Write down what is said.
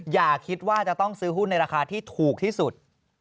อย่าคิดว่าจะต้องซื้อหุ้นในราคาที่ถูกที่สุด